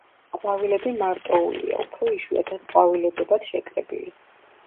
ყვავილები მარტოულია, უფრო იშვიათად ყვავილედებად შეკრებილი.